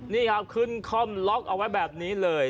นี่ครับขึ้นคล่อมล็อกเอาไว้แบบนี้เลย